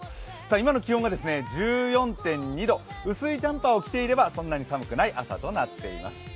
今の気温が１４．２度、薄いジャンパーを着ていればそんなに寒くない朝となっています。